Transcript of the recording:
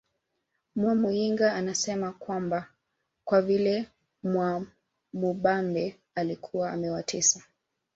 Mwamuyinga anasema kwamba kwa vile Mwamubambe alikuwa amewatesa